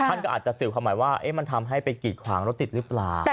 ค่ะท่านก็อาจจะสิ่งความหมายขึ้นเป็นว่า